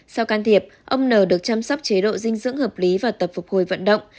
sau can thiệp ông n được chăm sóc chế độ dinh dưỡng hợp lý và tập phục hồi vận động